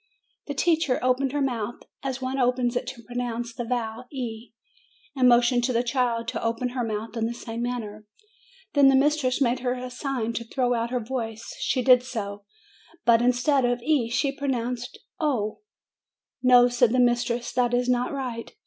The teacher opened her mouth, as one opens it to pronounce the vowel e, and motioned to the child to open her mouth in the same manner. Then the mis tress made her a sign to throw out her voice. She did so; but instead of e, she pronunced o. 306 MAY "No," said the mistress, "that is not right."